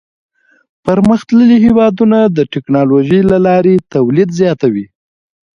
پرمختللي هېوادونه د ټکنالوژۍ له لارې تولید زیاتوي.